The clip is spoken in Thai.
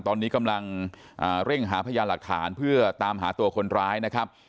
ตอนนี้กำลังเร่งหาพยานหลักฐานเพื่อตามหาตัวคนร้ายนะครับ